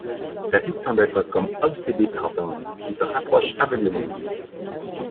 David semble être comme obsédé par Dawn, qui se rapproche aveuglement de lui.